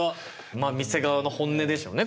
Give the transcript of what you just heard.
まあ店側の本音でしょうね